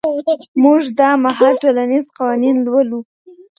موږ دا مهال ټولنيز قوانين لولو.